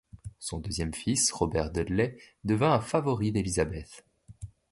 Son deuxième fils, Robert Dudley devint un favori d'Élisabeth.